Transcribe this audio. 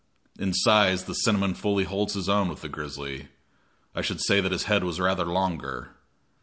In size the cinnamon fully holds his own with the grizzly; I should say that his head was rather longer.